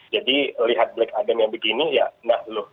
jadi lihat black adam yang begini ya nah loh